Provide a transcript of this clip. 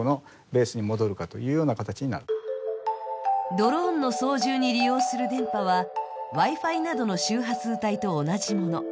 ドローンの操縦に利用する電波はＷｉ−Ｆｉなどの周波数帯と同じもの。